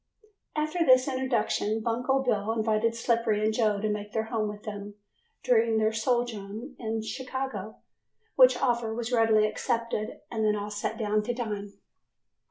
After this introduction Bunko Bill invited Slippery and Joe to make their home with them during their sojourn in Chicago, which offer was readily accepted and then all sat down to dine.